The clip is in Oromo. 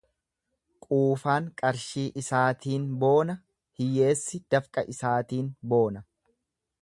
Quufaan qarshii isaatiin boona, hiyyeessi dafqa isaatiin boona.